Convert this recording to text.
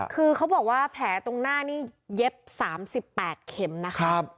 คือเขาบอกว่าแผลตรงหน้านี่เย็บ๓๘เข็มนะคะ